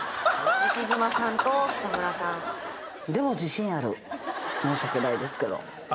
西島さんと北村さんでも申し訳ないですけどあ